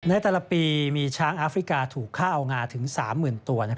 ในแต่ละปีมีช้างอาฟริกาถูกฆ่าเอางาถึง๓๐๐๐ตัว